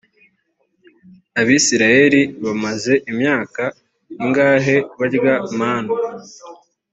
abisirayeli bamaze imyaka ingahe barya manu